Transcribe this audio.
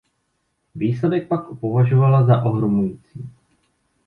Výsledek pak považovala za ohromující.